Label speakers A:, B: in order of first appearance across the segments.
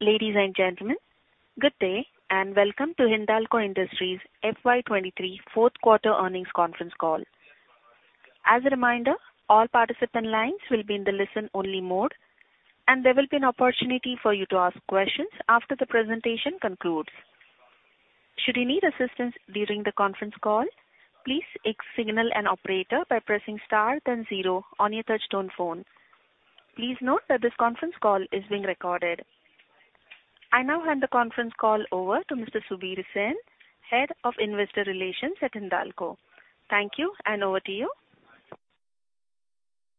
A: Ladies and gentlemen, good day, and welcome to Hindalco Industries FY 2023 fourth quarter earnings conference call. As a reminder, all participant lines will be in the listen-only mode, and there will be an opportunity for you to ask questions after the presentation concludes. Should you need assistance during the conference call, please signal an operator by pressing star then zero on your touchtone phone. Please note that this conference call is being recorded. I now hand the conference call over to Mr. Subir Sen, Head of Investor Relations at Hindalco. Thank you, and over to you.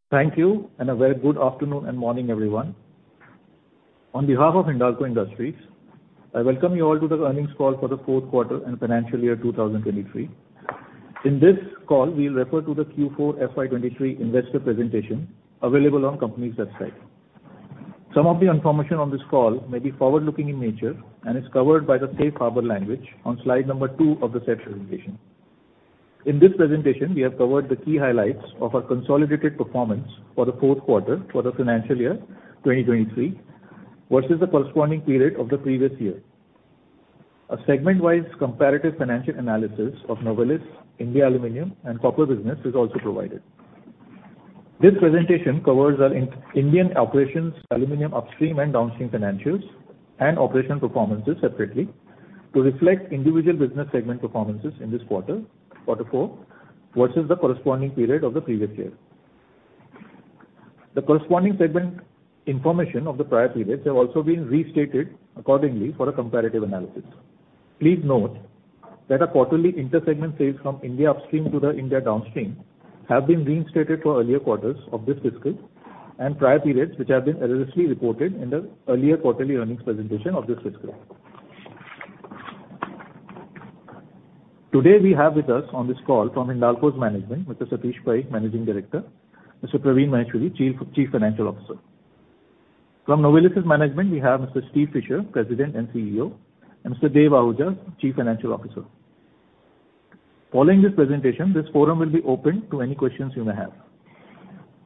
B: Thank you, and a very good afternoon and morning, everyone. On behalf of Hindalco Industries, I welcome you all to the earnings call for the fourth quarter and financial year 2023. In this call, we refer to the Q4 FY 2023 investor presentation available on company's website. Some of the information on this call may be forward-looking in nature and is covered by the safe harbor language on slide number two of the said presentation. In this presentation, we have covered the key highlights of our consolidated performance for the fourth quarter for the financial year 2023 versus the corresponding period of the previous year. A segment-wise comparative financial analysis of Novelis, India Aluminum and Copper Business is also provided. This presentation covers our In-Indian operations, aluminum upstream and downstream financials, and operation performances separately to reflect individual business segment performances in this quarter four, versus the corresponding period of the previous year. The corresponding segment information of the prior periods have also been restated accordingly for a comparative analysis. Please note that our quarterly inter-segment sales from India Upstream to the India Downstream have been reinstated for earlier quarters of this fiscal and prior periods, which have been erroneously reported in the earlier quarterly earnings presentation of this fiscal. Today, we have with us on this call from Hindalco's management, Mr. Satish Pai, Managing Director, Mr. Praveen Maheshwari, Chief Financial Officer. From Novelis's management, we have Mr. Steve Fisher, President and CEO, and Mr. Dev Ahuja, Chief Financial Officer. Following this presentation, this forum will be open to any questions you may have.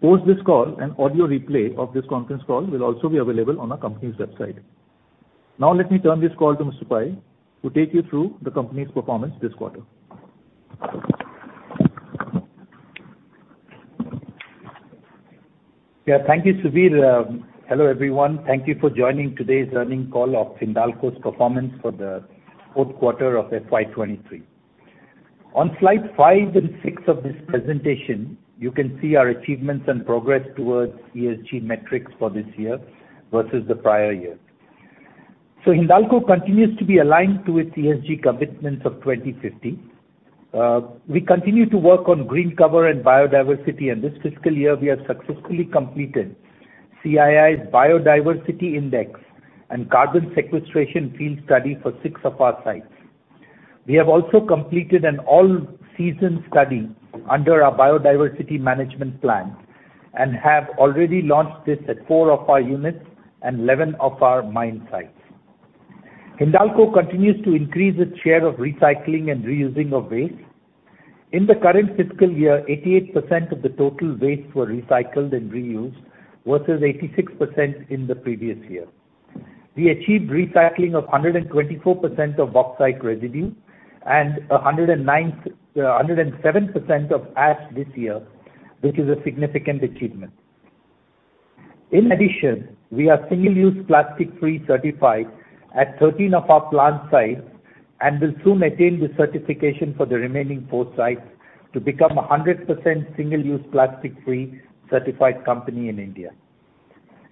B: Post this call, an audio replay of this conference call will also be available on our company's website. Let me turn this call to Mr. Pai, who will take you through the company's performance this quarter.
C: Thank you, Subir. Hello, everyone. Thank you for joining today's earnings call of Hindalco's performance for the fourth quarter of FY 2023. On slide five and six of this presentation, you can see our achievements and progress towards ESG metrics for this year versus the prior year. Hindalco continues to be aligned to its ESG commitments of 2050. We continue to work on green cover and biodiversity. In this fiscal year, we have successfully completed CII's Biodiversity Index and carbon sequestration field study for six of our sites. We have also completed an all-season study under our biodiversity management plan and have already launched this at four of our units and 11 of our mine sites. Hindalco continues to increase its share of recycling and reusing of waste. In the current fiscal year, 88% of the total waste were recycled and reused versus 86% in the previous year. We achieved recycling of 124% of bauxite residue and 107% of ash this year, which is a significant achievement. In addition, we are single-use plastic-free certified at 13 of our plant sites and will soon attain the certification for the remaining four sites to become a 100% single-use plastic-free certified company in India.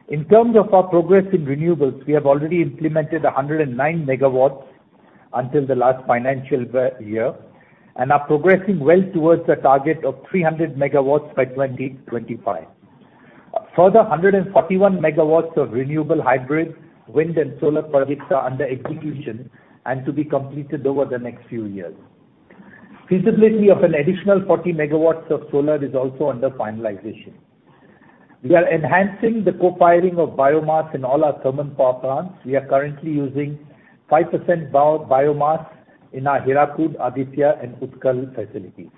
C: In terms of our progress in renewables, we have already implemented 109 MW until the last financial year and are progressing well towards the target of 300 MW by 2025. A further 141 MW of renewable hybrid wind and solar projects are under execution and to be completed over the next few years. Feasibility of an additional 40 MW of solar is also under finalization. We are enhancing the co-firing of biomass in all our thermal power plants. We are currently using 5% bio-biomass in our Hirakud, Aditya, and Utkal facilities.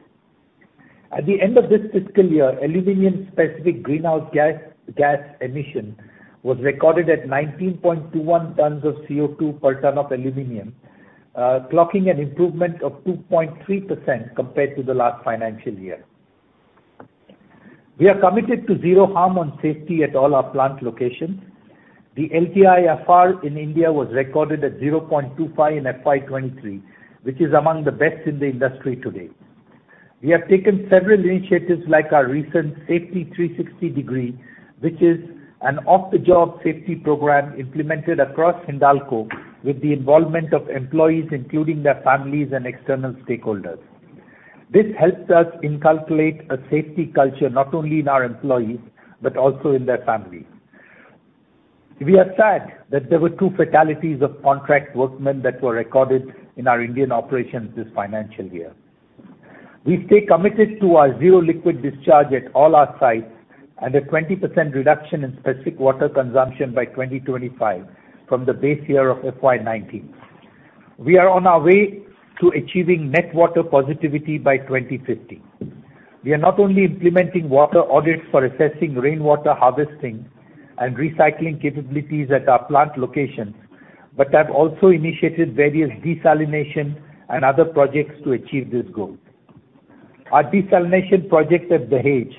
C: At the end of this fiscal year, aluminum specific greenhouse gas emission was recorded at 19.21 tons of CO₂ per ton of aluminum, clocking an improvement of 2.3% compared to the last financial year. We are committed to zero harm on safety at all our plant locations. The LTIFR in India was recorded at 0.25 in FY 2023, which is among the best in the industry today. We have taken several initiatives like our recent Safety 360-degree, which is an off-the-job safety program implemented across Hindalco with the involvement of employees, including their families and external stakeholders. This helps us inculcate a safety culture not only in our employees but also in their families. We are sad that there were two fatalities of contract workmen that were recorded in our Indian operations this financial year. We stay committed to our zero liquid discharge at all our sites and a 20% reduction in specific water consumption by 2025 from the base year of FY 2019. We are on our way to achieving net water positivity by 2050. We are not only implementing water audits for assessing rainwater harvesting and recycling capabilities at our plant locations, but have also initiated various desalination and other projects to achieve this goal. Our desalination project at Dahej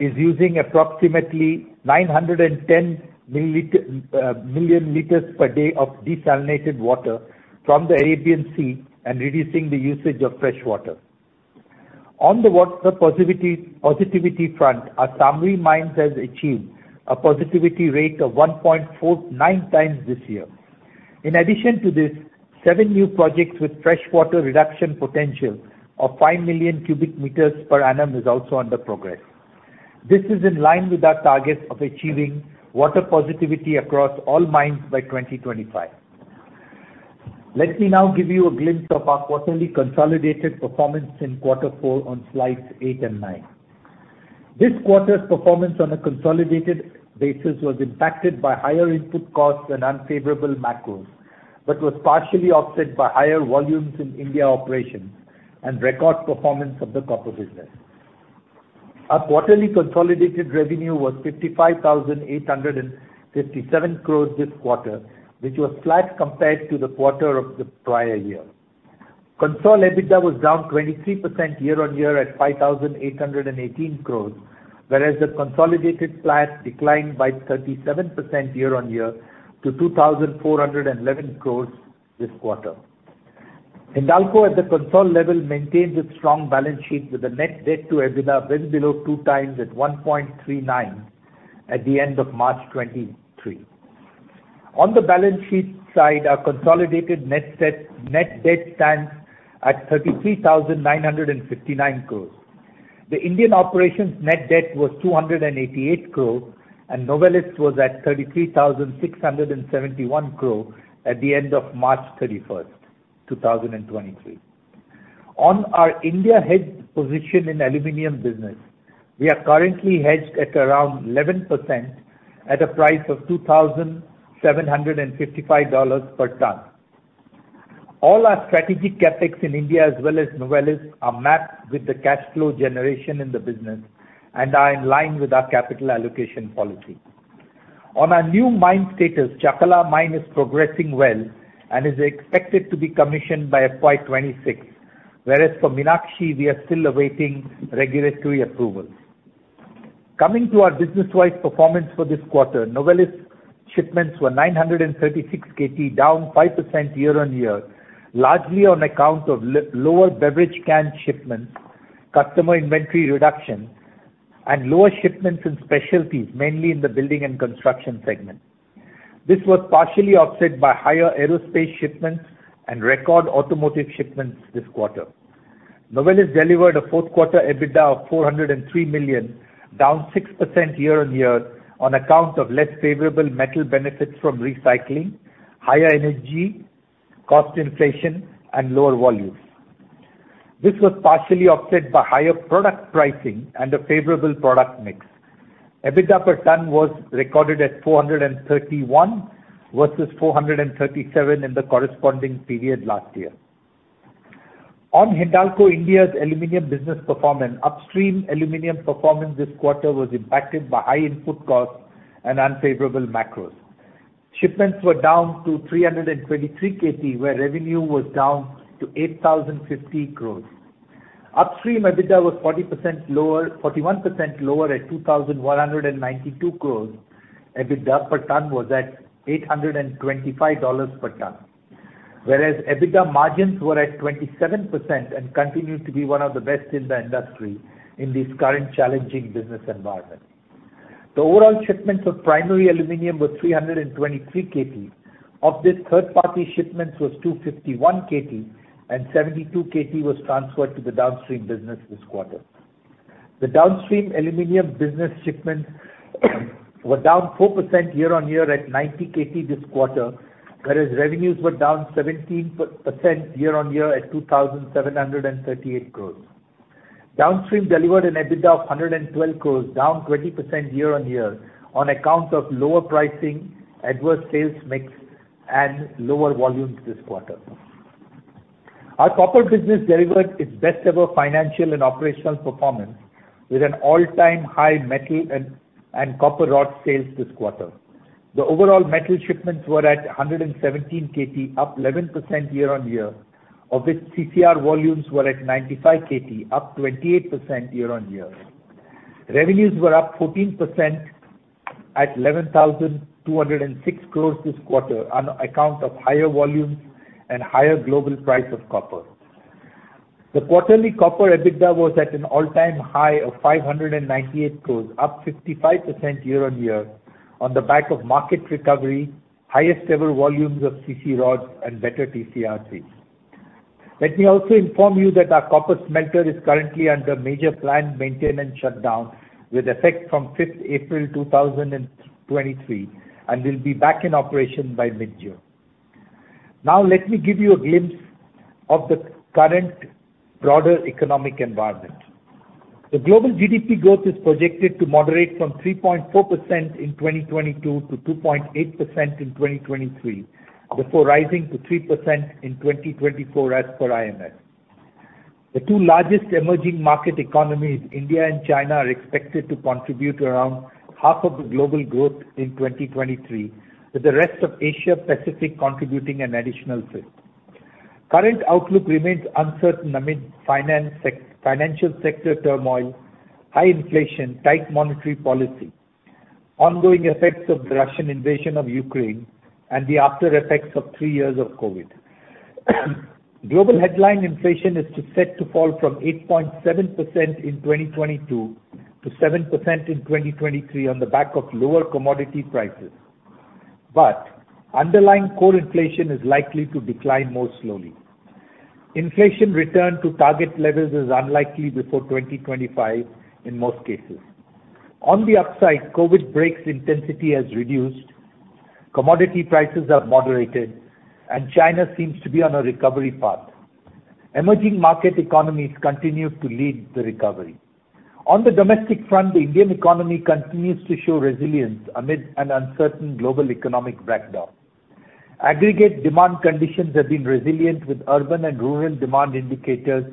C: is using approximately 910 million L per day of desalinated water from the Arabian Sea and reducing the usage of fresh water. On the water positivity front, our Samri Mines has achieved a positivity rate of 1.49x this year. In addition to this, seven new projects with fresh water reduction potential of 5 million cu m per annum is also under progress. This is in line with our target of achieving water positivity across all mines by 2025. Let me now give you a glimpse of our quarterly consolidated performance in Q4 on slides eight and nine. This quarter's performance on a consolidated basis was impacted by higher input costs and unfavorable macros, but was partially offset by higher volumes in India operations and record performance of the Copper business. Our quarterly consolidated revenue was 55,857 crores this quarter, which was flat compared to the quarter of the prior year. Consol EBITDA was down 23% year-on-year at 5,818 crore, whereas the consolidated flat declined by 37% year-on-year to 2,411 crore this quarter. Hindalco at the consol level maintains its strong balance sheet with a net debt to EBITDA well below 2x at 1.39 at the end of March 2023. On the balance sheet side, our consolidated net debt stands at 33,959 crore. The Indian operations net debt was 288 crore, and Novelis was at 33,671 crore at the end of March 31st, 2023. On our India hedge position in Aluminum business, we are currently hedged at around 11% at a price of $2,755 per ton. All our strategic CapEx in India as well as Novelis are mapped with the cash flow generation in the business and are in line with our capital allocation policy. On our new mine status, Chakla mine is progressing well and is expected to be commissioned by FY 2026, whereas for Meenakshi we are still awaiting regulatory approval. Coming to our business-wise performance for this quarter, Novelis shipments were 936 KT, down 5% year-on-year, largely on account of lower beverage can shipments, customer inventory reduction, and lower shipments in specialties, mainly in the Building and Construction segment. This was partially offset by higher aerospace shipments and record automotive shipments this quarter. Novelis delivered a fourth quarter EBITDA of $403 million, down 6% year-on-year on account of less favorable metal benefits from recycling, higher energy cost inflation, and lower volumes. This was partially offset by higher product pricing and a favorable product mix. EBITDA per ton was recorded at $431 versus $437 in the corresponding period last year. On Hindalco India's Aluminum business performance, upstream aluminum performance this quarter was impacted by high input costs and unfavorable macros. Shipments were down to 323 KT, where revenue was down to 8,050 crores. Upstream EBITDA was 41% lower at 2,192 crores. EBITDA per ton was at $825 per ton, whereas EBITDA margins were at 27% and continued to be one of the best in the industry in this current challenging business environment. The overall shipments of primary aluminum were 323 KT. Of this, third-party shipments was 251 KT and 72 KT was transferred to the Downstream business this quarter. The Downstream Aluminum business shipments were down 4% year-on-year at 90 KT this quarter, whereas revenues were down 17% year-on-year at 2,738 crores. Downstream delivered an EBITDA of 112 crores, down 20% year-on-year on account of lower pricing, adverse sales mix, and lower volumes this quarter. Our Copper business delivered its best ever financial and operational performance with an all-time high metal and copper rod sales this quarter. The overall metal shipments were at 117 KT, up 11% year-on-year, of which CCR volumes were at 95 KT, up 28% year-on-year. Revenues were up 14% at 11,206 crores this quarter on account of higher volumes and higher global price of copper. The quarterly copper EBITDA was at an all-time high of 598 crores, up 55% year-on-year on the back of market recovery, highest ever volumes of CC rods, and better TCRCs. Let me also inform you that our copper smelter is currently under major planned maintenance shutdown with effect from 5th April 2023, and will be back in operation by mid-June. Let me give you a glimpse of the current broader economic environment. The global GDP growth is projected to moderate from 3.4% in 2022 to 2.8% in 2023, before rising to 3% in 2024 as per IMF. The two largest emerging market economies, India and China, are expected to contribute around half of the global growth in 2023, with the rest of Asia Pacific contributing an additional fifth. Current outlook remains uncertain amid financial sector turmoil, high inflation, tight monetary policy, ongoing effects of the Russian invasion of Ukraine, and the after effects of 3 years of COVID. Global headline inflation is to set to fall from 8.7% in 2022 to 7% in 2023 on the back of lower commodity prices. Underlying core inflation is likely to decline more slowly. Inflation return to target levels is unlikely before 2025 in most cases. On the upside, COVID breaks intensity has reduced, commodity prices are moderated, and China seems to be on a recovery path. Emerging market economies continue to lead the recovery. On the domestic front, the Indian economy continues to show resilience amid an uncertain global economic backdrop. Aggregate demand conditions have been resilient with urban and rural demand indicators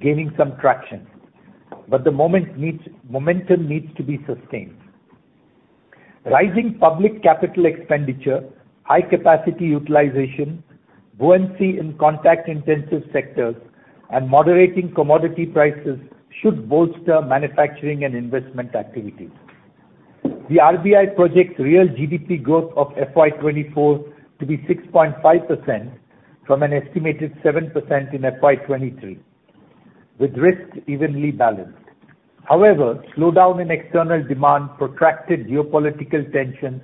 C: gaining some traction, but momentum needs to be sustained. Rising public capital expenditure, high capacity utilization, buoyancy in contact intensive sectors, and moderating commodity prices should bolster manufacturing and investment activities. The RBI projects real GDP growth of FY 2024 to be 6.5% from an estimated 7% in FY 2023, with risks evenly balanced. Slowdown in external demand, protracted geopolitical tensions,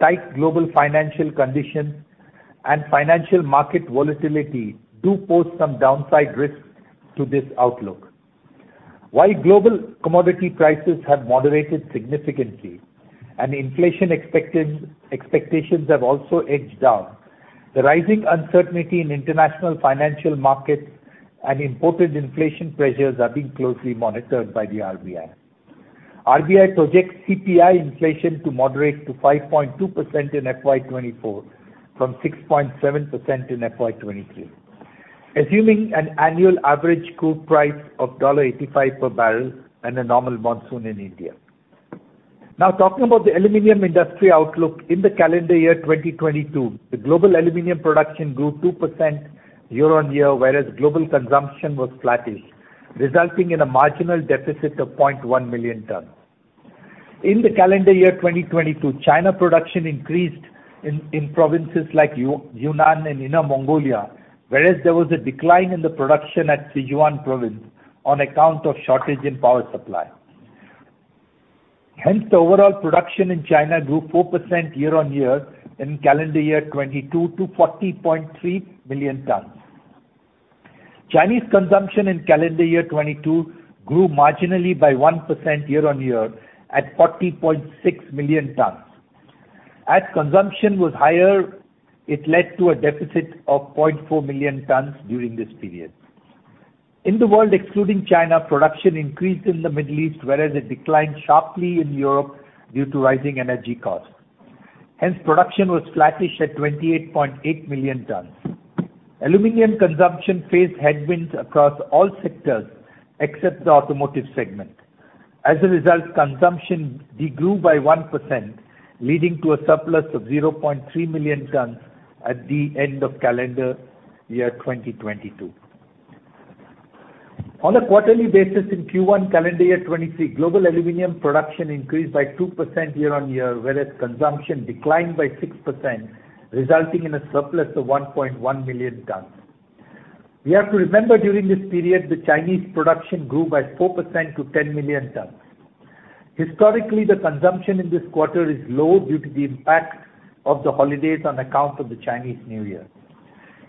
C: tight global financial conditions, and financial market volatility do pose some downside risks to this outlook. While global commodity prices have moderated significantly and inflation expectations have also edged down, the rising uncertainty in international financial markets and imported inflation pressures are being closely monitored by the RBI. RBI projects CPI inflation to moderate to 5.2% in FY 2024 from 6.7% in FY 2023, assuming an annual average crude price of $85 per barrel and a normal monsoon in India. Talking about the aluminum industry outlook. In the calendar year 2022, the global aluminum production grew 2% year-on-year, whereas global consumption was flattish, resulting in a marginal deficit of 0.1 million tons. In the calendar year 2022, China production increased in provinces like Yunnan and Inner Mongolia, whereas there was a decline in the production at Sichuan Province on account of shortage in power supply. The overall production in China grew 4% year-on-year in calendar year 2022 to 40.3 million tons. Chinese consumption in calendar year 2022 grew marginally by 1% year-over-year at 40.6 million tons. As consumption was higher, it led to a deficit of 0.4 million tons during this period. In the world excluding China, production increased in the Middle East, whereas it declined sharply in Europe due to rising energy costs. Hence, production was flattish at 28.8 million tons. Aluminum consumption faced headwinds across all sectors except the Automotive segment. As a result, consumption degrew by 1%, leading to a surplus of 0.3 million tons at the end of calendar year 2022. On a quarterly basis in Q1 calendar year 2023, global aluminum production increased by 2% year-over-year, whereas consumption declined by 6%, resulting in a surplus of 1.1 million tons. We have to remember during this period, the Chinese production grew by 4% to 10 million tons. Historically, the consumption in this quarter is low due to the impact of the holidays on account of the Chinese New Year.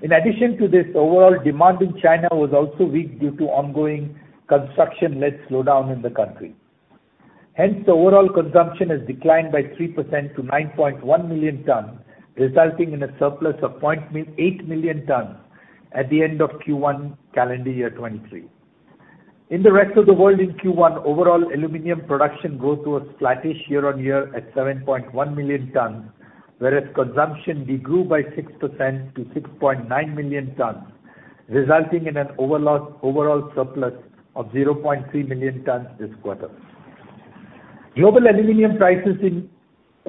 C: Overall demand in China was also weak due to ongoing construction-led slowdown in the country. The overall consumption has declined by 3% to 9.1 million tons, resulting in a surplus of 0.8 million tons at the end of Q1 calendar year 2023. In the rest of the world, in Q1, overall aluminum production growth was flattish year-on-year at 7.1 million tons, whereas consumption degrew by 6% to 6.9 million tons, resulting in an overall surplus of 0.3 million tons this quarter. Global aluminum prices in Q1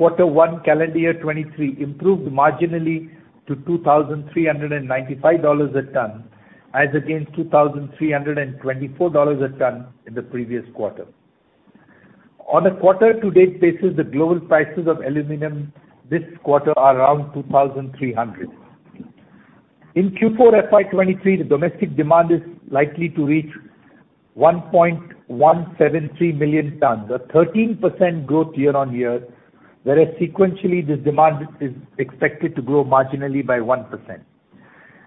C: calendar year 2023 improved marginally to $2,395 a ton as against $2,324 a ton in the previous quarter. On a quarter-to-date basis, the global prices of aluminum this quarter are around $2,300. In Q4 FY 2023, the domestic demand is likely to reach 1.173 million tons, a 13% growth year-on-year, whereas sequentially, this demand is expected to grow marginally by 1%.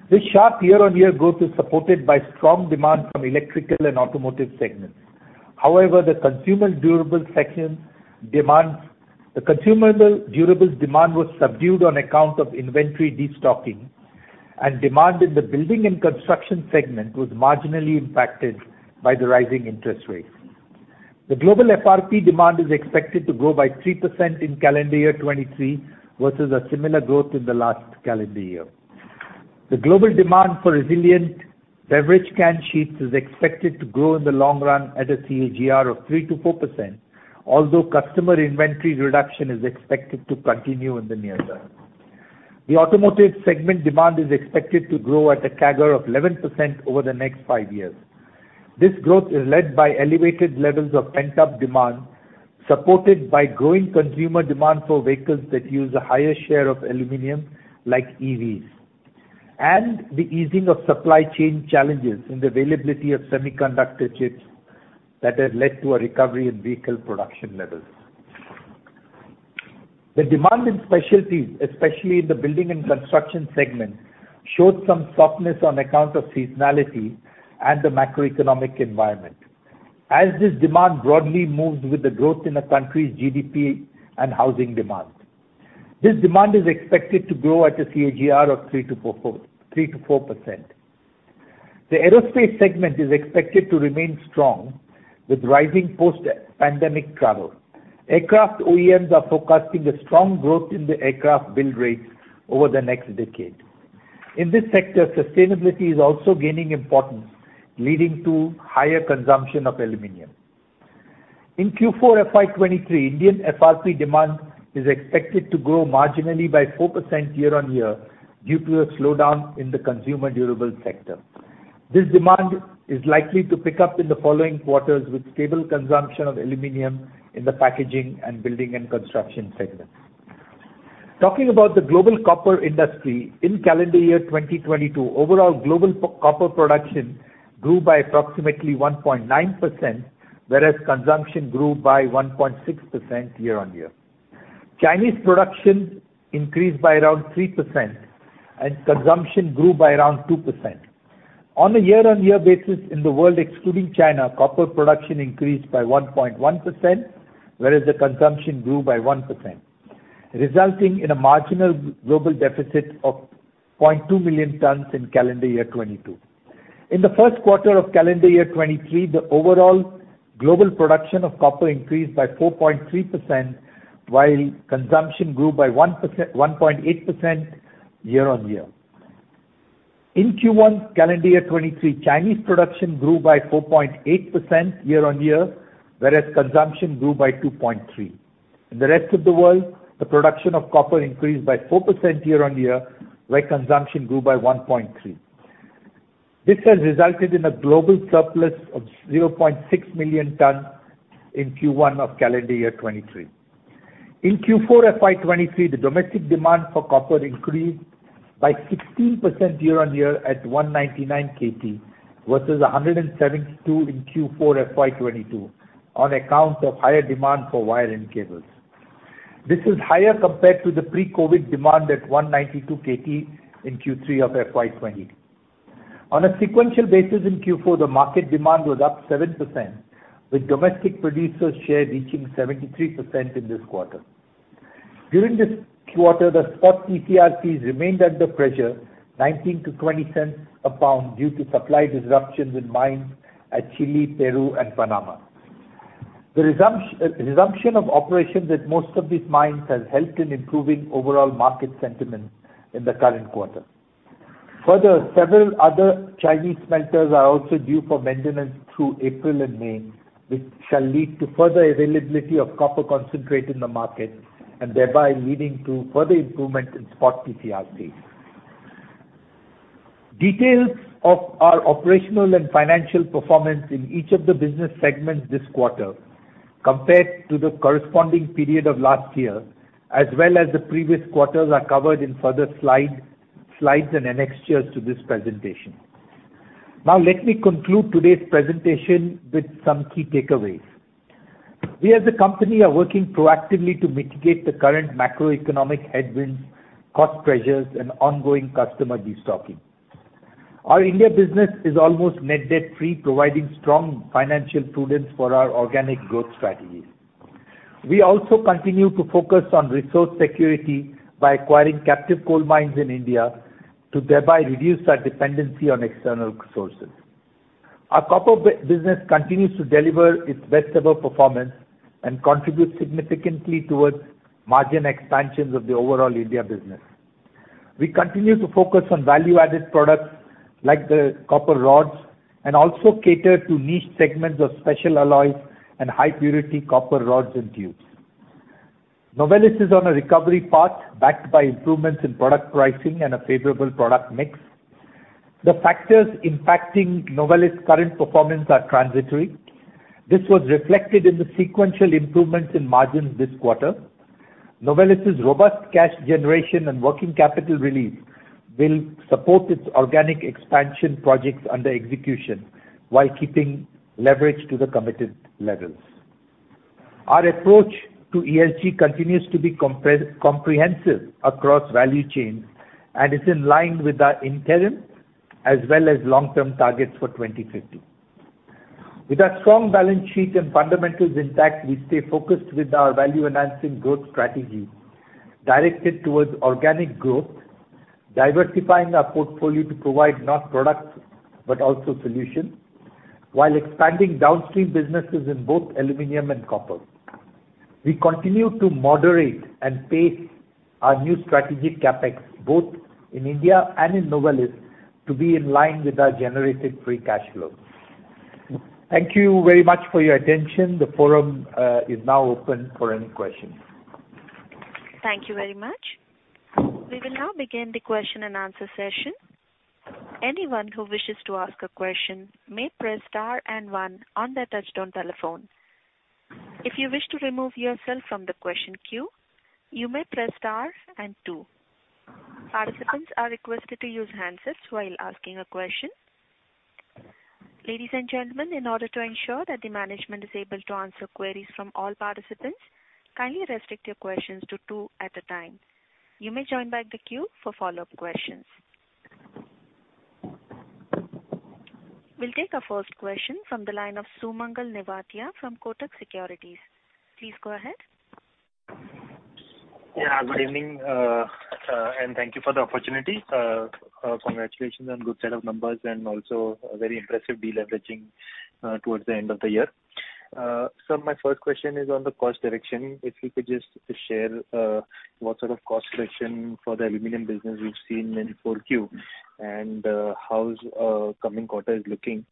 C: This sharp year-on-year growth is supported by strong demand from Electrical and Automotive segments. However, the consumer durables demand was subdued on account of inventory destocking. Demand in the Building and Construction segment was marginally impacted by the rising interest rates. The global FRP demand is expected to grow by 3% in calendar year 2023 versus a similar growth in the last calendar year. The global demand for resilient beverage can sheets is expected to grow in the long run at a CAGR of 3%-4%, although customer inventory reduction is expected to continue in the near term. The Automotive segment demand is expected to grow at a CAGR of 11% over the next 5 years. This growth is led by elevated levels of pent-up demand, supported by growing consumer demand for vehicles that use a higher share of aluminum, like EVs, and the easing of supply chain challenges in the availability of semiconductor chips that have led to a recovery in vehicle production levels. The demand in specialties, especially in the Building and Construction segment, showed some softness on account of seasonality and the macroeconomic environment as this demand broadly moves with the growth in a country's GDP and housing demand. This demand is expected to grow at a CAGR of 3%-4%. The Aerospace segment is expected to remain strong with rising post-pandemic travel. Aircraft OEMs are forecasting a strong growth in the aircraft build rates over the next decade. In this sector, sustainability is also gaining importance, leading to higher consumption of aluminum. In Q4 FY 2023, Indian FRP demand is expected to grow marginally by 4% year-on-year due to a slowdown in the consumer durables sector. This demand is likely to pick up in the following quarters with stable consumption of aluminum in the packaging and Building and Construction segments. Talking about the global copper industry, in calendar year 2022, overall global copper production grew by approximately 1.9%, whereas consumption grew by 1.6% year-on-year. Consumption grew by around 2%. On a year-on-year basis, in the world excluding China, copper production increased by 1.1%, whereas the consumption grew by 1%, resulting in a marginal global deficit of 0.2 million tons in calendar year 2022. In the first quarter of calendar year 2023, the overall global production of copper increased by 4.3%, while consumption grew by 1.8% year-on-year. In Q1 calendar year 2023, Chinese production grew by 4.8% year-on-year, whereas consumption grew by 2.3%. In the rest of the world, the production of copper increased by 4% year-on-year, where consumption grew by 1.3%. This has resulted in a global surplus of 0.6 million tons in Q1 of calendar year 2023. In Q4 FY 2023, the domestic demand for copper increased by 16% year-on-year at 199 KT versus 172 in Q4 FY 2022 on accounts of higher demand for wire and cables. This is higher compared to the pre-COVID demand at 192 KT in Q3 of FY 2020. On a sequential basis in Q4, the market demand was up 7%, with domestic producers' share reaching 73% in this quarter. During this quarter, the spot TCRCs remained under pressure $0.19-$.020 a pound due to supply disruptions in mines at Chile, Peru, and Panama. The resumption of operations at most of these mines has helped in improving overall market sentiment in the current quarter. Further, several other Chinese smelters are also due for maintenance through April and May, which shall lead to further availability of copper concentrate in the market and thereby leading to further improvement in spot TCRCs. Details of our operational and financial performance in each of the business segments this quarter compared to the corresponding period of last year, as well as the previous quarters, are covered in further slides and annexures to this presentation. Now let me conclude today's presentation with some key takeaways. We as a company are working proactively to mitigate the current macroeconomic headwinds, cost pressures, and ongoing customer destocking. Our India business is almost net debt-free, providing strong financial prudence for our organic growth strategies. We also continue to focus on resource security by acquiring captive coal mines in India to thereby reduce our dependency on external sources. Our Copper business continues to deliver its best-ever performance and contributes significantly towards margin expansions of the overall India business. We continue to focus on value-added products like the copper rods, and also cater to niche segments of special alloys and high-purity copper rods and tubes. Novelis is on a recovery path backed by improvements in product pricing and a favorable product mix. The factors impacting Novelis' current performance are transitory. This was reflected in the sequential improvements in margins this quarter. Novelis' robust cash generation and working capital relief will support its organic expansion projects under execution while keeping leverage to the committed levels. Our approach to ESG continues to be comprehensive across value chains and is in line with our interim as well as long-term targets for 2050. With our strong balance sheet and fundamentals intact, we stay focused with our value-enhancing growth strategy directed towards organic growth, diversifying our portfolio to provide not products but also solutions, while expanding Downstream businesses in both aluminum and copper. We continue to moderate and pace our new strategic CapEx, both in India and in Novelis, to be in line with our generated free cash flow. Thank you very much for your attention. The forum is now open for any questions.
A: Thank you very much. We will now begin the question and answer session. Anyone who wishes to ask a question may press star and one on their touch-tone telephone. If you wish to remove yourself from the question queue, you may press star and two. Participants are requested to use handsets while asking a question. Ladies and gentlemen, in order to ensure that the management is able to answer queries from all participants, kindly restrict your questions to two at a time. You may join back the queue for follow-up questions. We'll take our first question from the line of Sumangal Nevatia from Kotak Securities. Please go ahead.
D: Yeah. Good evening, thank you for the opportunity. Congratulations on good set of numbers and also a very impressive de-leveraging towards the end of the year. My first question is on the cost direction. If you could just share what sort of cost direction for the Aluminum business we've seen in 4Q and how's coming quarter is looking.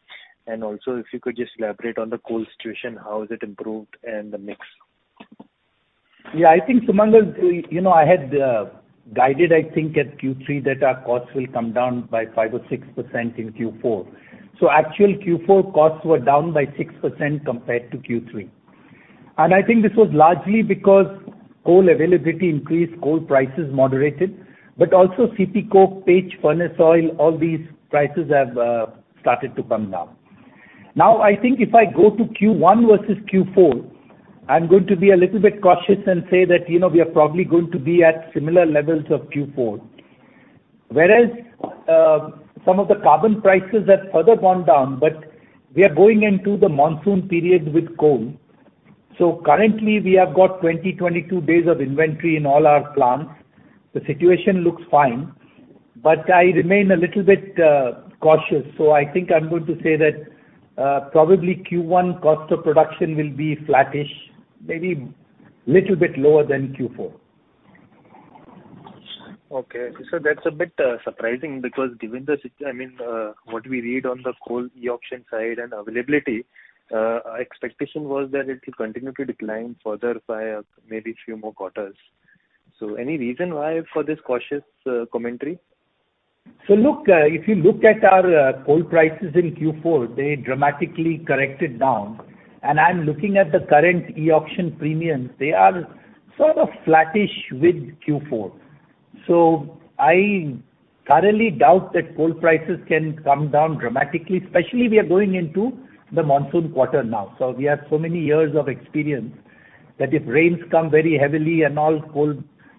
D: Also if you could just elaborate on the coal situation, how is it improved and the mix?
C: Yeah, I think Sumangal, you know, I had guided, I think at Q3 that our costs will come down by 5% or 6% in Q4. Actual Q4 costs were down by 6% compared to Q3. I think this was largely because coal availability increased, coal prices moderated, but also CP coke, pitch, furnace oil, all these prices have started to come down. I think if I go to Q1 versus Q4, I'm going to be a little bit cautious and say that, you know, we are probably going to be at similar levels of Q4. Whereas, some of the carbon prices have further gone down, but we are going into the monsoon period with coal. Currently we have got 20, 22 days of inventory in all our plants. The situation looks fine, but I remain a little bit cautious. I think I'm going to say that, probably Q1 cost of production will be flattish, maybe little bit lower than Q4.
D: Okay. That's a bit surprising because given the I mean, what we read on the coal e-auction side and availability, our expectation was that it will continue to decline further by maybe few more quarters. Any reason why for this cautious commentary?
C: Look, if you look at our coal prices in Q4, they dramatically corrected down. I'm looking at the current e-auction premiums. They are sort of flattish with Q4. I currently doubt that coal prices can come down dramatically, especially we are going into the monsoon quarter now. We have so many years of experience that if rains come very heavily and all, coal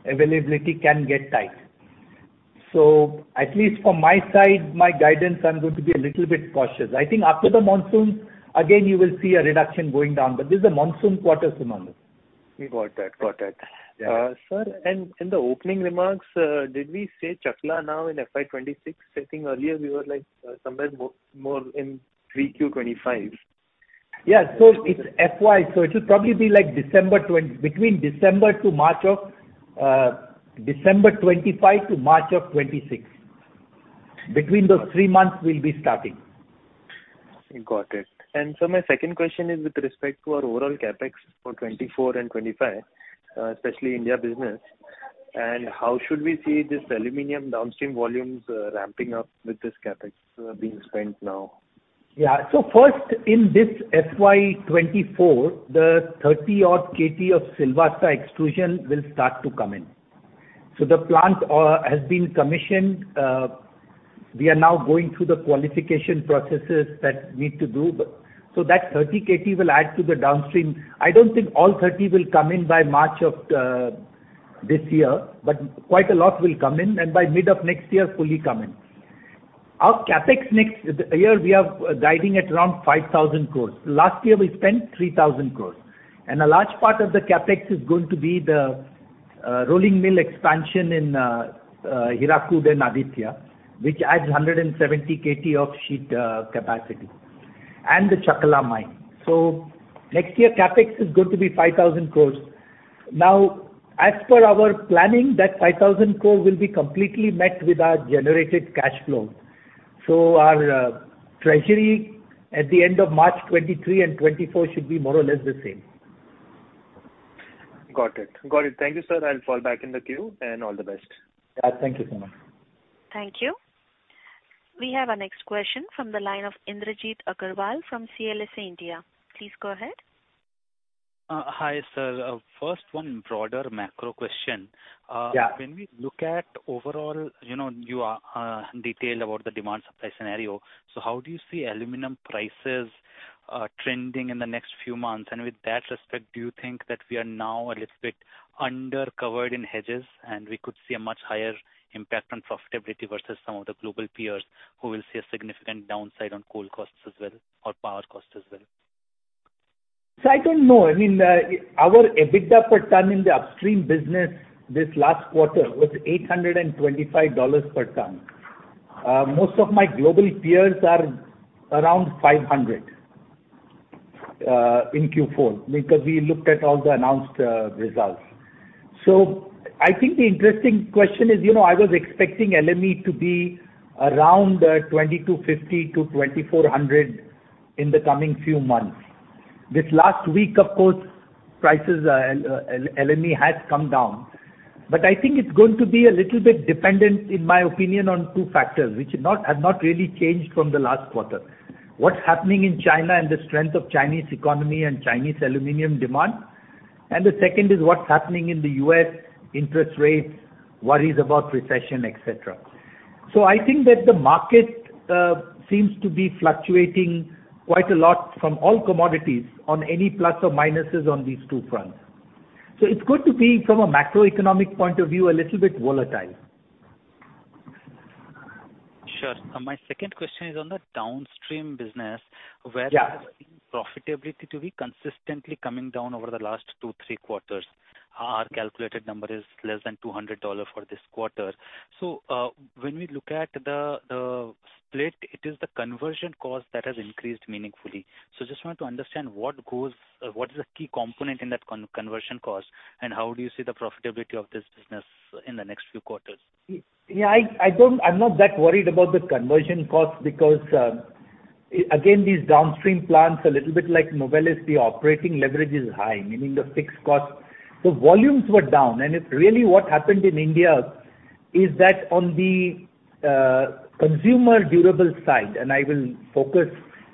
C: availability can get tight. At least from my side, my guidance, I'm going to be a little bit cautious. I think after the monsoon, again, you will see a reduction going down. This is a monsoon quarter, Sumangal.
D: Got that. Got that.
C: Yeah.
D: Sir, in the opening remarks, did we say Chakla now in FY 2026? I think earlier we were like somewhere more in 3Q 2025.
C: Yeah. It's FY. It should probably be like December 25 to March of 26. Between those 3 months we'll be starting.
D: Got it. Sir, my second question is with respect to our overall CapEx for 2024 and 2025, especially India business? How should we see this aluminum downstream volumes, ramping up with this CapEx, being spent now?
C: Yeah. First in this FY 2024, the 30-odd KT of Silvassa extrusion will start to come in. The plant has been commissioned. We are now going through the qualification processes that we need to do. That 30 KT will add to the downstream. I don't think all 30 will come in by March of this year, but quite a lot will come in and by mid of next year, fully come in. Our CapEx next year we are guiding at around 5,000 crores. Last year we spent 3,000 crores. A large part of the CapEx is going to be the rolling mill expansion in Hirakud and Aditya, which adds 170 KT of sheet capacity, and the Chakla mine. Next year CapEx is going to be 5,000 crores. Now, as per our planning, that 5,000 crores will be completely met with our generated cash flow. Our treasury at the end of March 2023 and 2024 should be more or less the same.
D: Got it. Thank you, sir. I'll fall back in the queue. All the best.
C: Yeah. Thank you so much.
A: Thank you. We have our next question from the line of Indrajit Agarwal from CLSA India. Please go ahead.
E: Hi, sir. First one broader macro question.
C: Yeah.
E: When we look at overall, you know, you are detailed about the demand supply scenario. How do you see aluminum prices trending in the next few months? With that respect, do you think that we are now a little bit under covered in hedges and we could see a much higher impact on profitability versus some of the global peers who will see a significant downside on coal costs as well or power costs as well?
C: I don't know. I mean, our EBITDA per ton in the Upstream business this last quarter was $825 per ton. Most of my global peers are around $500 in Q4, because we looked at all the announced results. I think the interesting question is, you know, I was expecting LME to be around $2,050-$2,400 in the coming few months. This last week, of course, prices, LME has come down. I think it's going to be a little bit dependent, in my opinion, on two factors, which have not really changed from the last quarter. What's happening in China and the strength of Chinese economy and Chinese aluminum demand. The second is what's happening in the U.S. interest rates, worries about recession, et cetera. I think that the market seems to be fluctuating quite a lot from all commodities on any plus or minuses on these two fronts. It's going to be, from a macroeconomic point of view, a little bit volatile.
E: Sure. My second question is on the Downstream business where-
C: Yeah....
E: profitability to be consistently coming down over the last two, three quarters. Our calculated number is less than $200 for this quarter. When we look at the split, it is the conversion cost that has increased meaningfully. Just want to understand what is the key component in that conversion cost, and how do you see the profitability of this business in the next few quarters?
C: Yeah, I'm not that worried about the conversion costs because again, these downstream plants are little bit like Novelis. The operating leverage is high, meaning the fixed costs. The volumes were down, and it's really what happened in India is that on the consumer durable side, and I will focus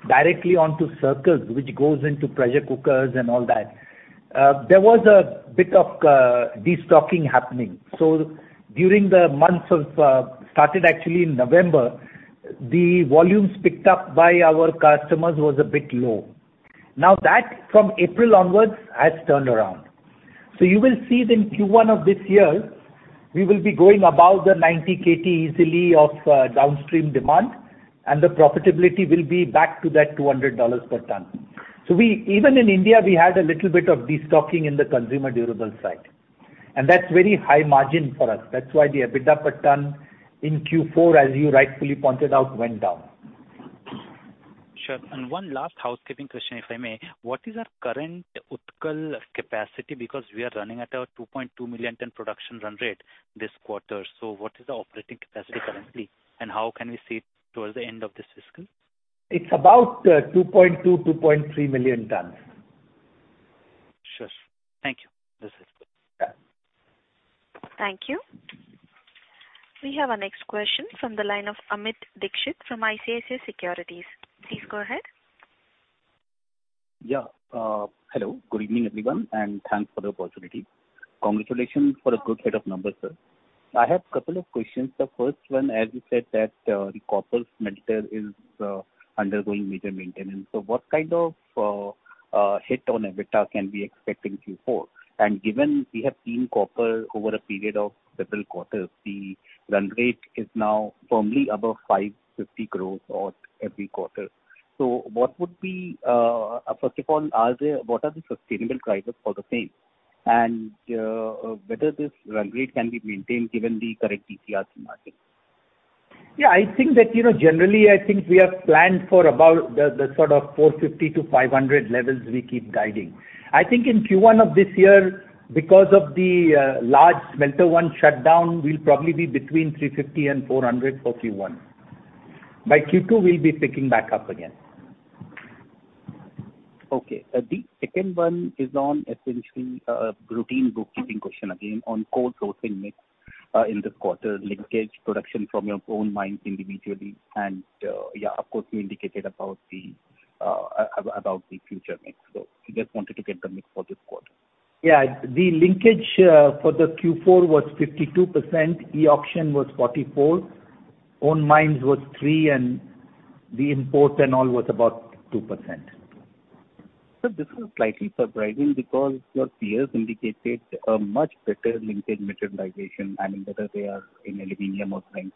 C: directly onto circles, which goes into pressure cookers and all that, there was a bit of destocking happening. During the months of started actually in November, the volumes picked up by our customers was a bit low. Now that from April onwards has turned around. You will see then Q1 of this year, we will be going above the 90 KT easily of downstream demand, and the profitability will be back to that $200 per ton. Even in India, we had a little bit of destocking in the consumer durable side, and that's very high margin for us. The EBITDA per ton in Q4, as you rightfully pointed out, went down.
E: Sure. One last housekeeping question, if I may. What is our current Utkal capacity? Because we are running at a 2.2 million ton production run rate this quarter. What is the operating capacity currently, and how can we see it towards the end of this fiscal?
C: It's about, 2.2, 2.3 million tons.
E: Sure. Thank you. This is good.
C: Yeah.
A: Thank you. We have our next question from the line of Amit Dixit from ICICI Securities. Please go ahead.
F: Yeah. Hello, good evening, everyone, and thanks for the opportunity. Congratulations for a good set of numbers, sir. I have couple of questions. The first one, as you said, that the copper smelter is undergoing major maintenance. What kind of hit on EBITDA can we expect in Q4? Given we have seen copper over a period of several quarters, the run rate is now firmly above 550 growth on every quarter. What would be? First of all, what are the sustainable drivers for the same? Whether this run rate can be maintained given the current TCRC market.
C: Yeah, I think that, you know, generally, I think we have planned for about the sort of 450-500 levels we keep guiding. I think in Q1 of this year, because of the large smelter one shutdown, we'll probably be between 350 and 400 for Q1. By Q2, we'll be picking back up again.
F: Okay. The second one is on essentially, routine bookkeeping question again on coal sourcing mix, in this quarter, linkage production from your own mines individually. Yeah, of course, you indicated about the about the future mix. Just wanted to get the mix for this quarter.
C: Yeah. The linkage for the Q4 was 52%. E-auction was 44%. Own mines was 3%, and the import and all was about 2%.
F: This is slightly surprising because your peers indicated a much better linkage materialization and whether they are in aluminum or zinc.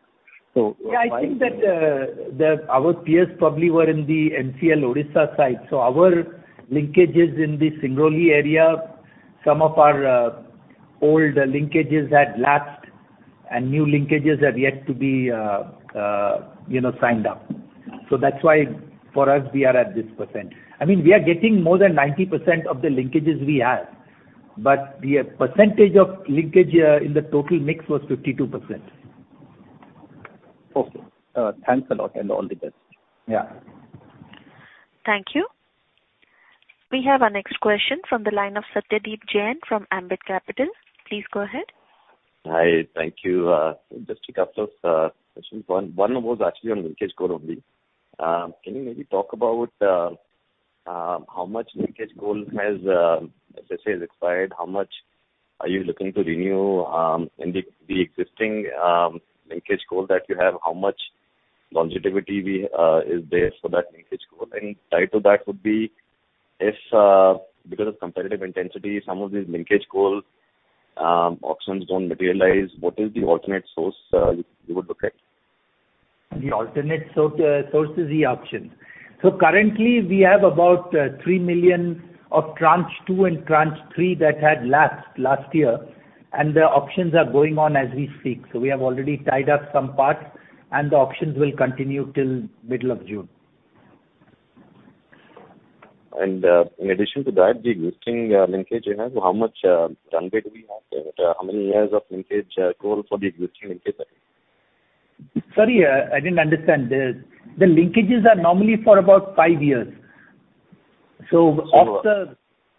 C: Yeah, I think that our peers probably were in the MCL Odisha site. Our linkages in the Singrauli area, some of our old linkages had lapsed and new linkages are yet to be, you know, signed up. That's why for us, we are at this percent. I mean, we are getting more than 90% of the linkages we have, but the percentage of linkage in the total mix was 52%.
F: Okay. Thanks a lot and all the best.
C: Yeah.
A: Thank you. We have our next question from the line of Satyadeep Jain from Ambit Capital. Please go ahead.
G: Hi. Thank you. Just a couple of questions. One was actually on linkage coal only. Can you maybe talk about how much linkage coal has SSA has expired? How much are you looking to renew in the existing linkage coal that you have? How much longevity we is there for that linkage coal? Tied to that would be if because of competitive intensity, some of these linkage coal auctions don't materialize, what is the alternate source you would look at?
C: The alternate sources e-auction. Currently we have about $3 million of Tranche 2 and Tranche 3 that had lapsed last year. The auctions are going on as we speak. We have already tied up some parts. The auctions will continue till middle of June.
G: In addition to that, the existing linkage you have, how much run rate do we have? How many years of linkage coal for the existing linkage?
C: Sorry, I didn't understand. The linkages are normally for about 5 years.
G: So-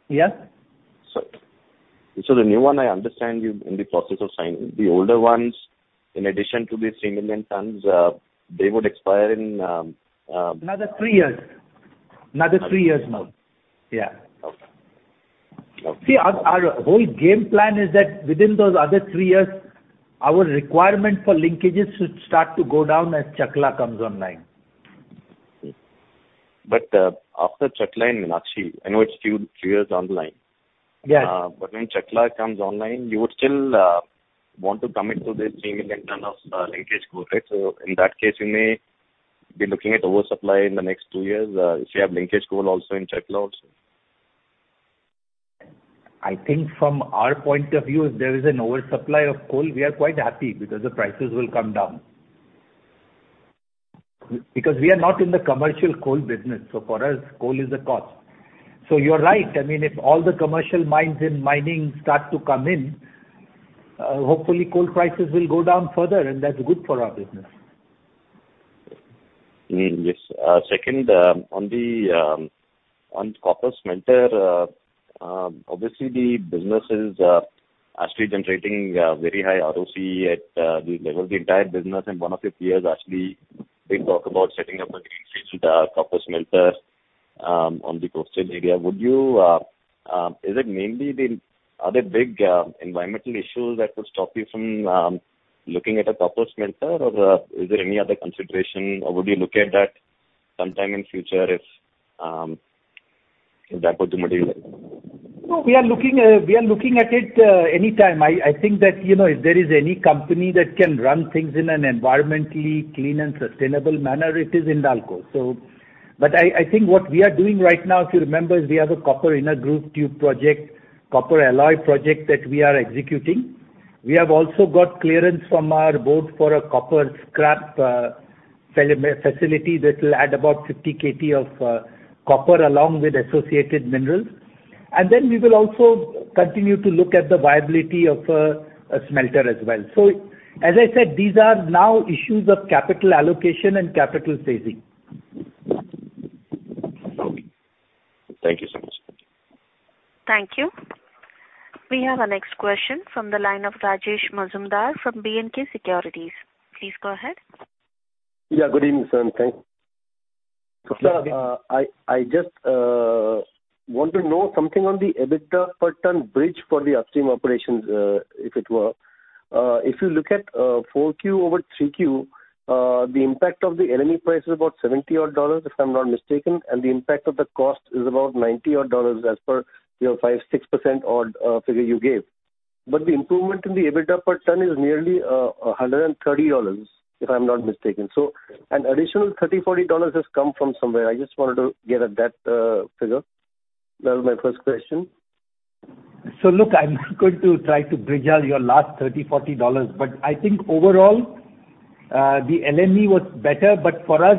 C: Yeah.
G: The new one I understand you're in the process of signing. The older ones, in addition to the 3 million tons, they would expire in?
C: Another 3 years. Another 3 years now. Yeah.
G: Okay. Okay.
C: Our whole game plan is that within those other 3 years, our requirement for linkages should start to go down as Chakla comes online.
G: After Chakla and Meenakshi, I know it's 2, 3 years online.
C: Yes.
G: When Chakla comes online, you would still want to commit to this 3 million tons of linkage coal, right? In that case, you may be looking at oversupply in the next 2 years, if you have linkage coal also in Chakla also.
C: I think from our point of view, if there is an oversupply of coal, we are quite happy because the prices will come down. We are not in the commercial coal business, so for us, coal is a cost. You're right. I mean, if all the commercial mines and mining start to come in, hopefully coal prices will go down further and that's good for our business.
G: Yes. Second, on the, on copper smelter, obviously the business is actually generating very high ROC at the level of the entire business. In one of your peers actually they talk about setting up a greenfield copper smelter on the coast area. Would you, is it mainly the other big environmental issues that would stop you from looking at a copper smelter? Is there any other consideration, or would you look at that sometime in future if that was the material?
C: No, we are looking, we are looking at it anytime. I think that, you know, if there is any company that can run things in an environmentally clean and sustainable manner, it is Hindalco. I think what we are doing right now, if you remember, is we have a inner groove copper tube project, copper alloy project that we are executing. We have also got clearance from our board for a copper scrap facility that will add about 50 KT of copper along with associated minerals. We will also continue to look at the viability of a smelter as well. As I said, these are now issues of capital allocation and capital phasing.
G: Thank you so much.
A: Thank you. We have our next question from the line of Rajesh Majumdar from B&K Securities. Please go ahead.
H: Yeah, good evening, sir, and thank you.
C: Hello again.
H: I just want to know something on the EBITDA per ton bridge for the upstream operations, if it were. If you look at 4Q over 3Q, the impact of the LME price is about $70-odd, if I'm not mistaken, and the impact of the cost is about $90-odd as per your 5%, 6%-odd figure you gave. The improvement in the EBITDA per ton is nearly $130, if I'm not mistaken. An additional $30-$40 has come from somewhere. I just wanted to get at that figure. That was my first question.
C: Look, I'm going to try to bridge out your last $30, $40. I think overall, the LME was better. For us,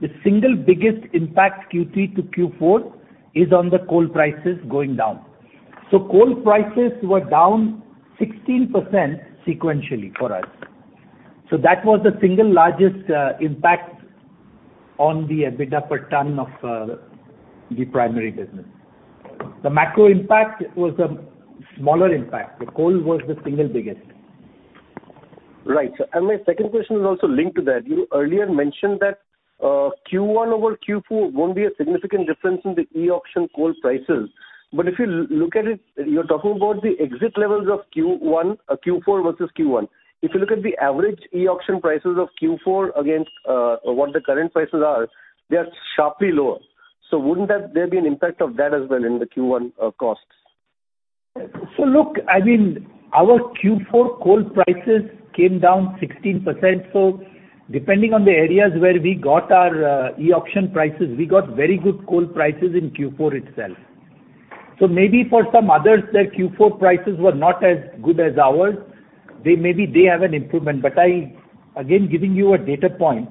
C: the single biggest impact Q3 to Q4 is on the coal prices going down. Coal prices were down 16% sequentially for us. That was the single largest impact on the EBITDA per ton of the primary business. The macro impact was a smaller impact. The coal was the single biggest.
H: Right. My second question is also linked to that. You earlier mentioned that, Q1 over Q4 won't be a significant difference in the e-auction coal prices. If you look at it, you're talking about the exit levels of Q1, Q4 versus Q1. If you look at the average e-auction prices of Q4 against, what the current prices are, they are sharply lower. Wouldn't that there be an impact of that as well in the Q1, costs?
C: Look, I mean, our Q4 coal prices came down 16%, so depending on the areas where we got our e-auction prices, we got very good coal prices in Q4 itself. Maybe for some others, their Q4 prices were not as good as ours. They maybe have an improvement, I again, giving you a data point,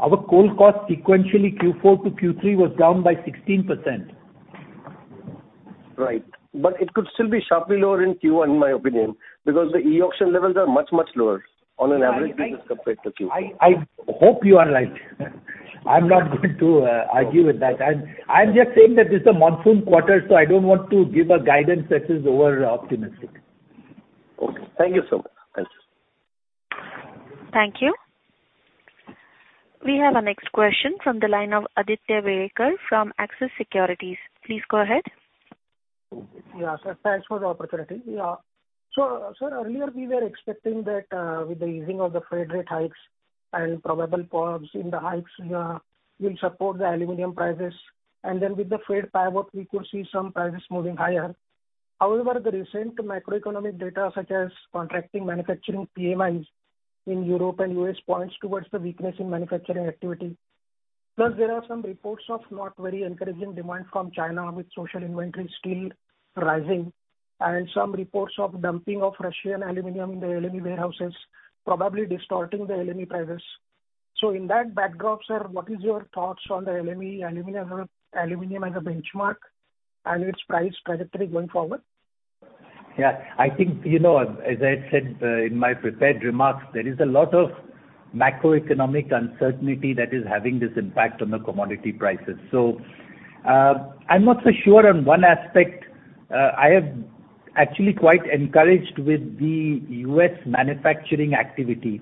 C: our coal cost sequentially Q4 to Q3 was down by 16%.
H: Right. It could still be sharply lower in Q1, in my opinion, because the e-auction levels are much, much lower on an average basis compared to Q4.
C: I hope you are right. I'm not going to argue with that. I'm just saying that this is a monsoon quarter. I don't want to give a guidance that is overoptimistic.
H: Okay. Thank you so much. Thanks.
A: Thank you. We have our next question from the line of Aditya Welekar from Axis Securities. Please go ahead.
I: Sir. Thanks for the opportunity. Sir, earlier we were expecting that with the easing of the freight rate hikes and probable pause in the hikes will support the aluminum prices. With the Fed pivot, we could see some prices moving higher. However, the recent macroeconomic data, such as contracting manufacturing PMIs in Europe and U.S. points towards the weakness in manufacturing activity. Plus there are some reports of not very encouraging demand from China, with social inventory still rising and some reports of dumping of Russian aluminum in the LME warehouses, probably distorting the LME prices. In that backdrop, sir, what is your thoughts on the LME aluminum as a benchmark and its price trajectory going forward?
C: I think, you know, as I had said, in my prepared remarks, there is a lot of macroeconomic uncertainty that is having this impact on the commodity prices. I'm not so sure on one aspect. I am actually quite encouraged with the U.S. manufacturing activity,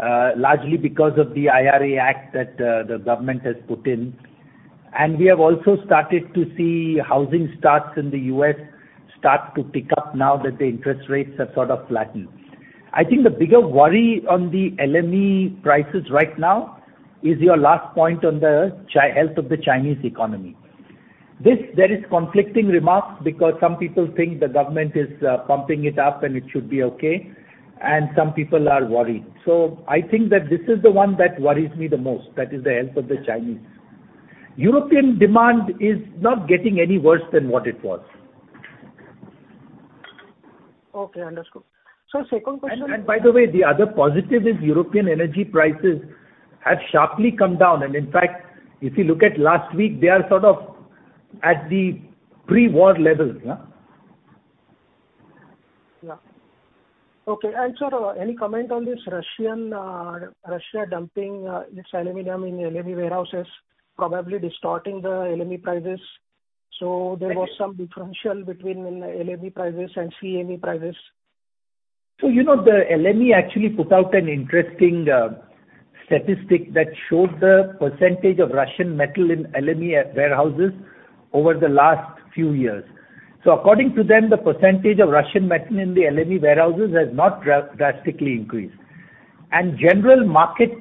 C: largely because of the IRA Act that the government has put in. We have also started to see housing starts in the U.S. start to pick up now that the interest rates have sort of flattened. I think the bigger worry on the LME prices right now is your last point on the health of the Chinese economy. There is conflicting remarks because some people think the government is pumping it up and it should be okay, and some people are worried. I think that this is the one that worries me the most. That is the health of the Chinese. European demand is not getting any worse than what it was.
I: Okay, understood. second question.
C: By the way, the other positive is European energy prices have sharply come down. In fact, if you look at last week, they are sort of at the pre-war level. Yeah.
I: Yeah. Okay. Sir, any comment on this Russian, Russia dumping, its aluminum in LME warehouses, probably distorting the LME prices. There was some differential between LME prices and CME prices.
C: You know, the LME actually put out an interesting statistic that showed the percentage of Russian metal in LME warehouses over the last few years. According to them, the percentage of Russian metal in the LME warehouses has not drastically increased. General market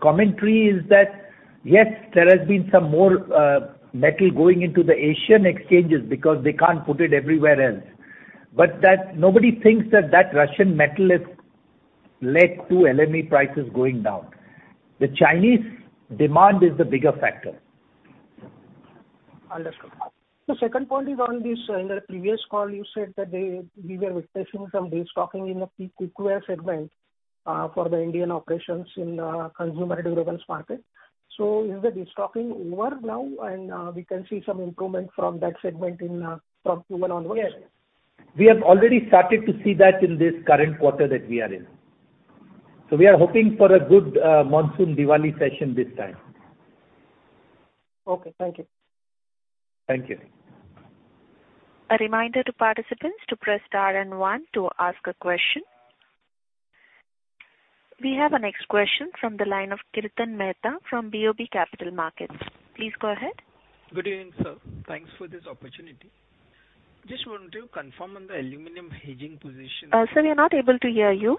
C: commentary is that, yes, there has been some more metal going into the Asian exchanges because they can't put it everywhere else. That nobody thinks that that Russian metal has led to LME prices going down. The Chinese demand is the bigger factor.
I: Understood. The second point is on this, in the previous call, you said that they, we were witnessing some destocking in the p- Cookware segment, for the Indian operations in, consumer durables market. Is the destocking over now and, we can see some improvement from that segment in, from June onwards?
C: Yes. We have already started to see that in this current quarter that we are in. We are hoping for a good monsoon Diwali session this time.
I: Okay. Thank you.
C: Thank you.
A: A reminder to participants to press star and one to ask a question. We have our next question from the line of Kirtan Mehta from BOB Capital Markets. Please go ahead.
J: Good evening, sir. Thanks for this opportunity. Just wanted to confirm on the aluminum hedging position.
A: Sir, we are not able to hear you.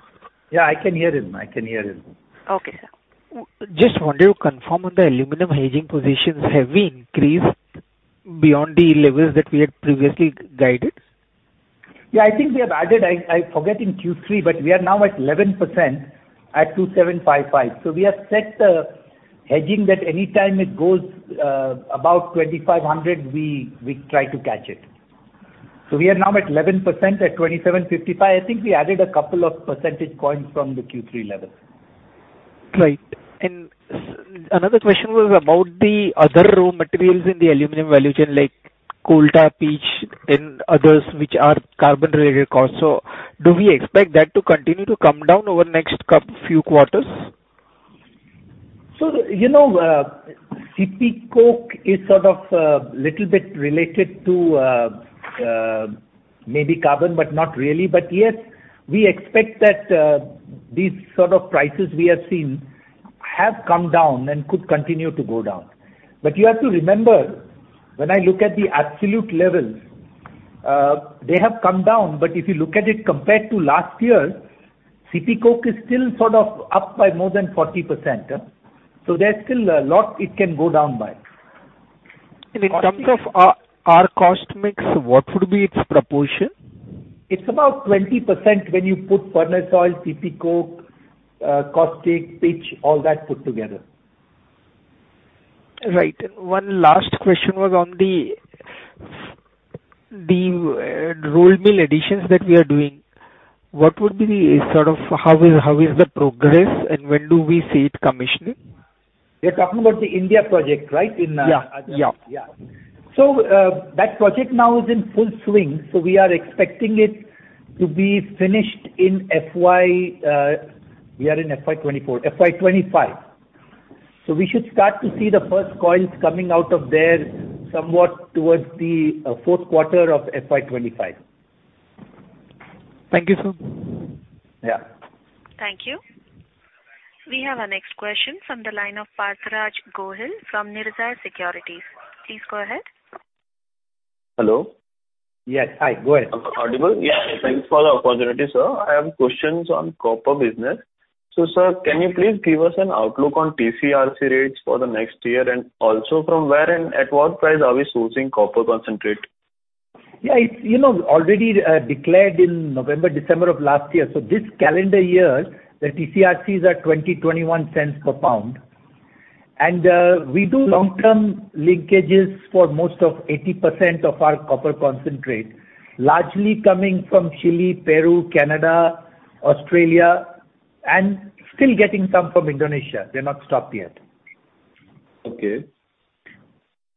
C: Yeah, I can hear him. I can hear him.
A: Okay, sir.
J: Just wanted to confirm on the aluminum hedging positions, have we increased beyond the levels that we had previously guided?
C: Yeah, I think we have added, I forget in Q3, but we are now at 11% at $2,755. We have set the hedging that anytime it goes above $2,500, we try to catch it. We are now at 11% at $2,755. I think we added a couple of percentage points from the Q3 level.
J: Right. Another question was about the other raw materials in the aluminum value chain like coal tar, pitch and others which are carbon-related costs. Do we expect that to continue to come down over next few quarters?
C: You know, CP coke is sort of little bit related to maybe carbon, but not really. Yes, we expect that these sort of prices we have seen have come down and could continue to go down. You have to remember, when I look at the absolute levels, they have come down, but if you look at it compared to last year, CP coke is still sort of up by more than 40%. There's still a lot it can go down by.
J: In terms of our cost mix, what would be its proportion?
C: It's about 20% when you put furnace oil, CP coke, caustic, pitch, all that put together.
J: Right. One last question was on the roll mill additions that we are doing. What would be how is the progress and when do we see it commissioning?
C: You're talking about the India project, right? In-
J: Yeah. Yeah.
C: That project now is in full swing, so we are expecting it to be finished in FY, we are in FY 2024, FY 2025. We should start to see the first coils coming out of there somewhat towards the fourth quarter of FY 2025.
J: Thank you, sir.
C: Yeah.
A: Thank you. We have our next question from the line of Parthraj Gohil from Nirzar Securities. Please go ahead.
K: Hello.
C: Yes. Hi. Go ahead.
K: Am I audible?
C: Yeah.
K: Thanks for the opportunity, sir. I have questions on Copper business. Sir, can you please give us an outlook on TCRCs rates for the next year and also from where and at what price are we sourcing copper concentrate?
C: Yeah, it's, you know, already declared in November, December of last year. This calendar year, the TCRCs are $0.20, $0.21 per pound. We do long-term linkages for most of 80% of our copper concentrate, largely coming from Chile, Peru, Canada, Australia, and still getting some from Indonesia. They've not stopped yet.
K: Okay.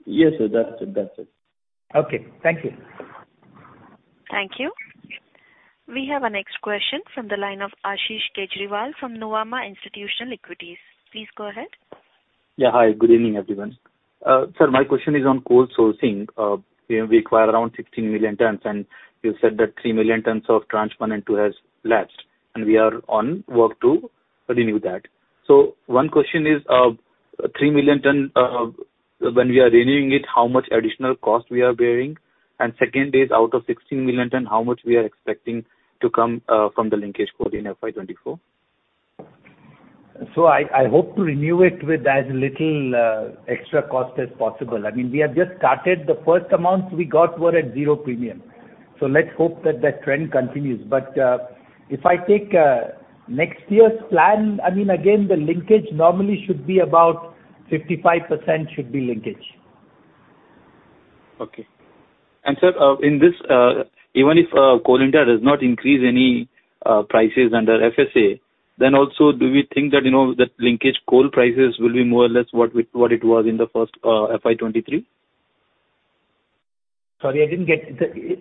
K: Yes, sir. That's it. That's it.
C: Okay. Thank you.
A: Thank you. We have our next question from the line of Ashish Kejriwal from Nuvama Institutional Equities. Please go ahead.
L: Yeah, hi. Good evening, everyone. Sir, my question is on coal sourcing. We require around 16 million tons. You said that 3 million tons of Tranche 1 and 2 has lapsed. We are on work to renew that. One question is, 3 million ton, when we are renewing it, how much additional cost we are bearing? Second is, out of 16 million ton, how much we are expecting to come from the linkage coal in FY 2024?
C: I hope to renew it with as little extra cost as possible. I mean, we have just started. The first amounts we got were at zero premium. Let's hope that that trend continues. If I take next year's plan, I mean, again, the linkage normally should be about 55% should be linkage.
L: Okay. Sir, in this, even if Coal India does not increase any prices under FSA, then also do we think that, you know, that linkage coal prices will be more or less what we, what it was in the first, FY 2023?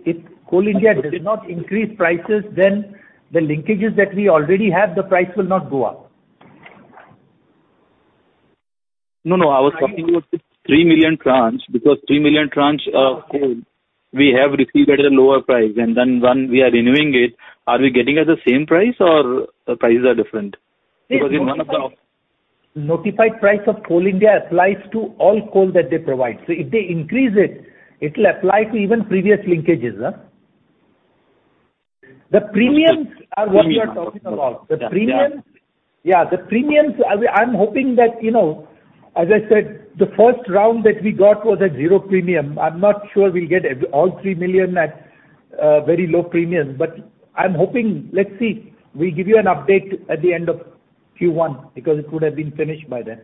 C: If Coal India does not increase prices, then the linkages that we already have, the price will not go up.
L: No, no, I was talking about the 3 million tranche, because 3 million tranche of coal we have received at a lower price. When we are renewing it, are we getting at the same price or the prices are different? In one of the-
C: Notified price of Coal India applies to all coal that they provide. If they increase it'll apply to even previous linkages, huh? The premiums are what you are talking about.
L: Yeah.
C: The premiums, yeah, the premiums, I'm hoping that, you know, as I said, the first round that we got was at zero premium. I'm not sure we'll get all 3 million at very low premiums. I'm hoping, let's see. We'll give you an update at the end of Q1 because it would have been finished by then.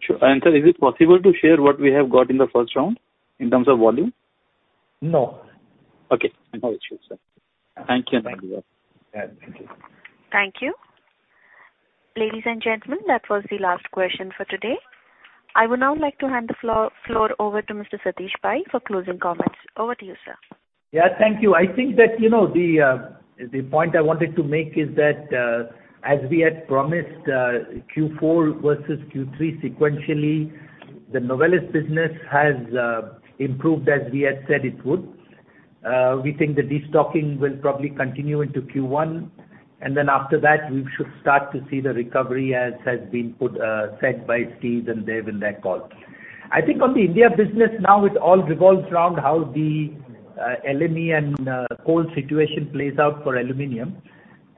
L: Sure. Sir, is it possible to share what we have got in the first round in terms of volume?
C: No.
L: Okay. I know it should, sir. Thank you.
C: Thank you.
A: Thank you. Ladies and gentlemen, that was the last question for today. I would now like to hand the floor over to Mr. Satish Pai for closing comments. Over to you, sir.
C: Yeah, thank you. I think that, you know, the point I wanted to make is that, as we had promised, Q4 versus Q3 sequentially, the Novelis business has improved as we had said it would. We think the destocking will probably continue into Q1. After that, we should start to see the recovery as has been put, said by Steve and Dev in their call. I think on the India business now it all revolves around how the LME and coal situation plays out for aluminum.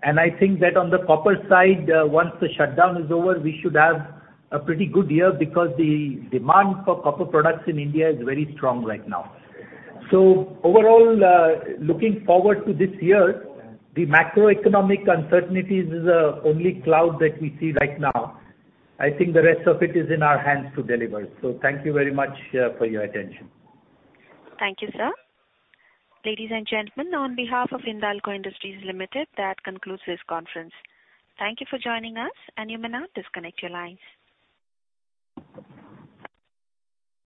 C: I think that on the copper side, once the shutdown is over, we should have a pretty good year because the demand for copper products in India is very strong right now. Overall, looking forward to this year, the macroeconomic uncertainties is the only cloud that we see right now. I think the rest of it is in our hands to deliver. Thank you very much, for your attention.
A: Thank you, sir. Ladies and gentlemen, on behalf of Hindalco Industries Limited, that concludes this conference. Thank you for joining us. You may now disconnect your lines.